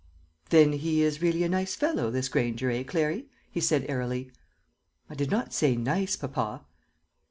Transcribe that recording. "Then he is really a nice fellow, this Granger, eh, Clary?" he said airily. "I did not say nice, papa."